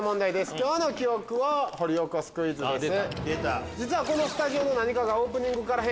今日の記憶を掘り起こすクイズです。